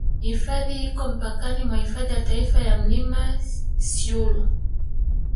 Hifadhi iko mpakani mwa Hifadhi ya taifa ya milima ya Cyulu